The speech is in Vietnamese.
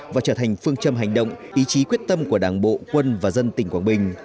và trở thành phương châm hành động ý chí quyết tâm của đảng bộ quân và dân tỉnh quảng bình